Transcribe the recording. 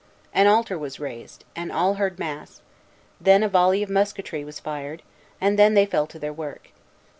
An altar was raised, and all heard mass; then a volley of musketry was fired; and then they fell to their work.